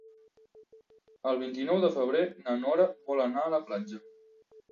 El vint-i-nou de febrer na Nora vol anar a la platja.